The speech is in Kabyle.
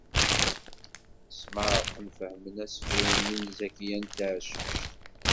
Smeɛrqen fehmen asefru-nni n Zakiya n Tɛeccact.